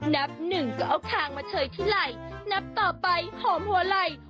นับหนึ่งก็เอาคางมาเชยที่ไหล่นับต่อไปหอมหัวไหล่